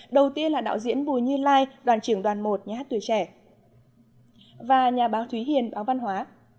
đầu tiên là đạo diễn bùi như lai đoàn trưởng đoàn một nhà hát tuổi trẻ và nhà báo thúy hiền báo văn hóa